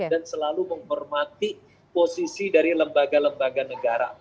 dan selalu menghormati posisi dari lembaga lembaga negara